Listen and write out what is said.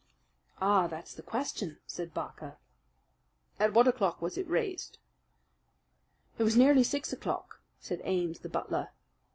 "Ah, that's the question," said Barker. "At what o'clock was it raised?" "It was nearly six o'clock," said Ames, the butler.